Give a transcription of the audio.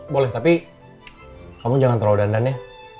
boleh tapi kamu jangan terlalu dandan ya